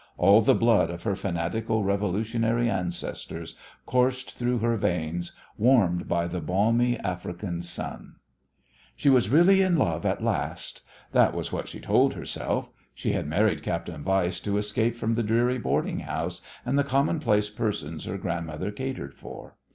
All the blood of her fanatical, revolutionary ancestors coursed through her veins, warmed by the balmy African sun. She was really in love at last. That was what she told herself. She had married Captain Weiss to escape from the dreary boarding house and the commonplace persons her grandmother catered for.